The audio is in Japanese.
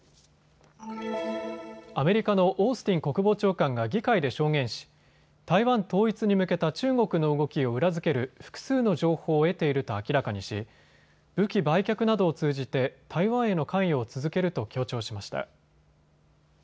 アメリカのオースティン国防長官が議会で証言し台湾統一に向けた中国の動きを裏付ける、複数の情報を得ていると明らかにし武器売却などを通じて台湾への関与を続けると強調しました。